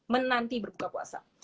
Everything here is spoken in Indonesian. menanti berbuka puasa